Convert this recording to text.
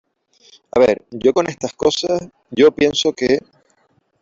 a ver , yo con estas cosas , yo pienso que ,